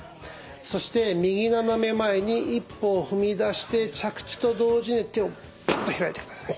そして右斜め前に一歩踏み出して着地と同時に手をパッと開いてください。